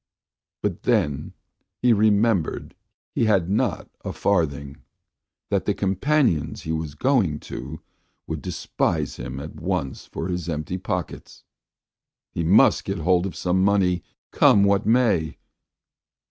But then he remembered he had not a farthing, that the companions he was going to would despise him at once for his empty pockets. He must get hold of some money, come what may!